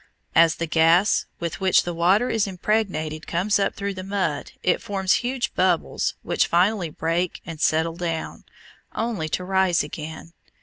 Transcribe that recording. As the gas with which the water is impregnated comes up through the mud, it forms huge bubbles which finally break and settle down, only to rise again.